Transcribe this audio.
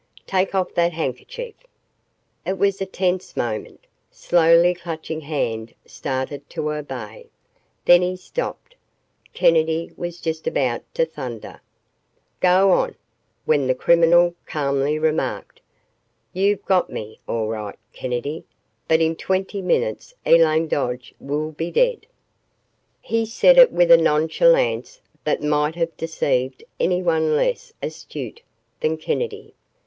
"Take off that handkerchief!" It was a tense moment. Slowly Clutching Hand started to obey. Then he stopped. Kennedy was just about to thunder, "Go on," when the criminal calmly remarked, "You've got ME all right, Kennedy, but in twenty minutes Elaine Dodge will be dead!" He said it with a nonchalance that might have deceived anyone less astute than Kennedy.